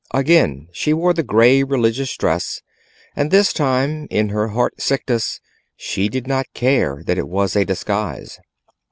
Again she wore the grey religious dress; and this time, in her heart sickness, she did not care that it was a disguise.